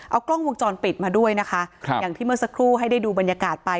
เอากล้องวงจรปิดมาด้วยนะคะครับอย่างที่เมื่อสักครู่ให้ได้ดูบรรยากาศไป